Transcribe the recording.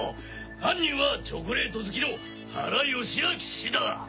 犯人はチョコレート好きの原佳明だ！